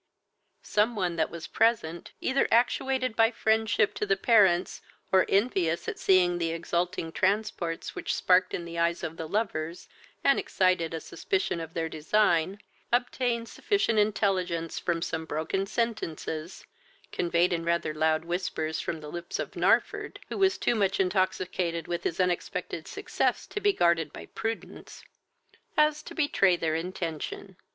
Some one that was present, either actuated by friendship to the parents, or envious at seeing the exulting transports which sparkled in the eyes of the lovers, and excited a suspicion of their design, obtained sufficient intelligence from some broken sentences (conveyed in rather loud whispers from the lips of Narford, who was too much intoxicated with his unexpected success to be guarded by prudence) as to betray their intention.